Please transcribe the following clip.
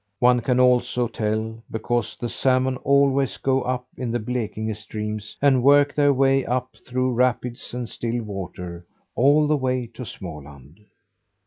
"One can also tell because the salmon always go up in the Blekinge streams and work their way up through rapids and still water, all the way to Småland.